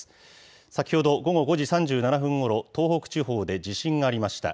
先ほど午後５時３７分ごろ、東北地方で地震がありました。